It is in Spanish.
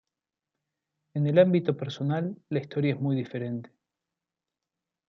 En el ámbito personal, la historia es muy diferente.